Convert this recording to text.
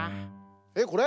えっこれ？